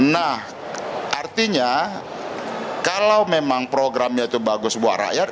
nah artinya kalau memang programnya itu bagus buat rakyat